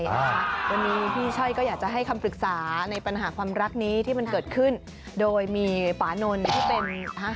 วันนี้พี่ช่อยก็อยากจะให้คำปรึกษาในปัญหาความรักนี้ที่มันเกิดขึ้นโดยมีปานนท์ที่เป็นฮัก